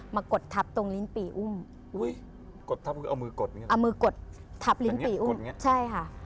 มากดทับตรงลิ้นปี่อุ้มเอามือกดทับลิ้นปี่อุ้มใช่ค่ะ